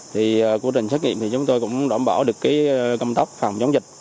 thì quá trình xét nghiệm thì chúng tôi cũng đảm bảo được cái cầm tóc phòng chống dịch